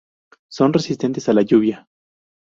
Son resistentes a la lluvia.